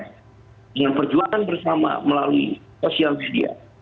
dengan perjuangan bersama melalui sosial media